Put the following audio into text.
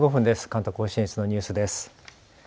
関東甲信越のニュースです。